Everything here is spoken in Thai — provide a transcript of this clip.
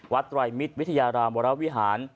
วัดตร่อยมิทย์วิทยารามราวิหาร